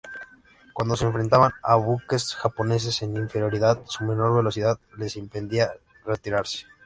Cuando se enfrentaban a buques japoneses en inferioridad, su menor velocidad, les impedía retirarse.